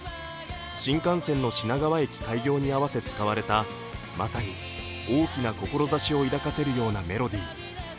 新幹線の品川駅開業に合わせ使われたまさに大きな志を抱かせるようなメロディー。